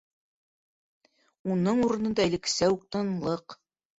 Уның урынында - элеккесә үк тынлыҡ.